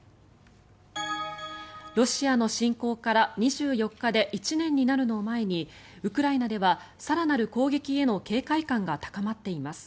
ロシアの侵攻から２４日で１年になるのを前にウクライナでは更なる攻撃への警戒感が高まっています。